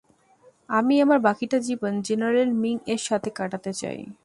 আমি আমার বাকিটা জীবন জেনারেল মিং-এর সাথে কাটাতে চাই!